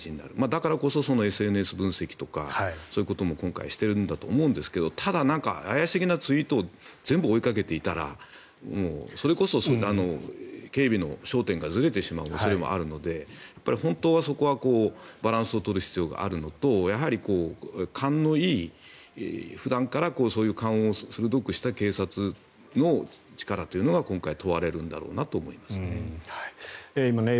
だからこそＳＮＳ分析とかそういうことも今回しているんだと思うんですがただ、怪しげなツイートを全部追いかけていたらそれこそ警備の焦点がずれてしまう恐れもあるので本当はそこはバランスを取る必要があるのとやはり勘のいい、普段から勘を鋭くした警察の力というのが今回、問われるんだろうなと思いますね。